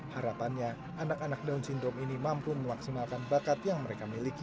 harapannya anak anak down syndrome ini mampu memaksimalkan bakat yang mereka miliki